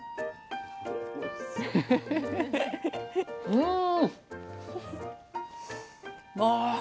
うん！